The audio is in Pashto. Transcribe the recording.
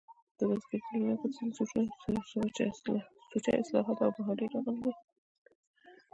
په "تذکرة الاولیاء" کښي ځيني سوچه اصطلاحات او محاورې راغلي دي.